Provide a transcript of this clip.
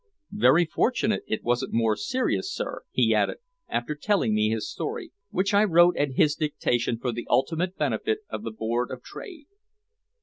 "Very fortunate it wasn't more serious, sir," he added, after telling me his story, which I wrote at his dictation for the ultimate benefit of the Board of Trade.